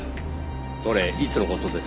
それいつの事です？